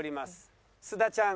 須田ちゃん